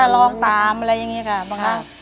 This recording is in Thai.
เคยค่ะร้องตามอะไรอย่างนี้ค่ะบางครั้ง